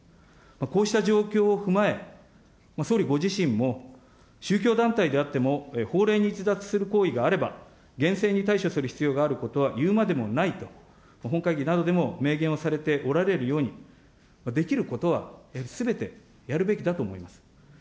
こうした状況を踏まえ、総理ご自身も、宗教団体であっても法令に逸脱する行為があれば厳正に対処する必要があることは言うまでもないと、本会議などでも明言をされておられるように、できることはすべてやるべきだと思います。